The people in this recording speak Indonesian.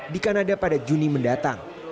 di kanada pada juni mendatang